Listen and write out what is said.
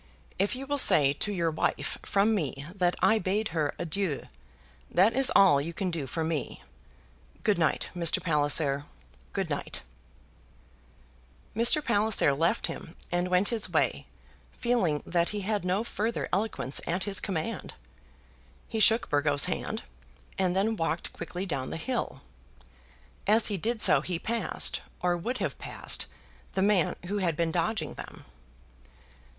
If you will say to your wife from me that I bade her adieu; that is all you can do for me. Good night, Mr. Palliser; good night." [Illustration: "Good night, Mr. Palliser."] Mr. Palliser left him and went his way, feeling that he had no further eloquence at his command. He shook Burgo's hand, and then walked quickly down the hill. As he did so he passed, or would have passed the man who had been dodging them.